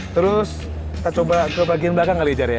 terus kita coba di bagian belakang kali ya jer ya